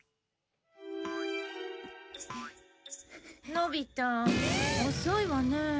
のび太遅いわね。